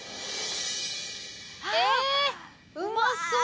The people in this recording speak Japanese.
えうまそう！